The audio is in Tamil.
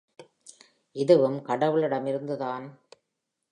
இதுவும் கடவுளிடமிருந்து தான்.